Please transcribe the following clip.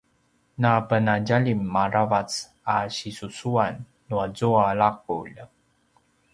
napenadjalim aravac a sisusuan nuazua laqulj